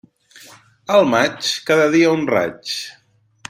Al maig, cada dia un raig.